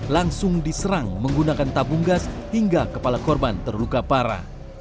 langsung diserang menggunakan tabung gas hingga kepala korban terluka parah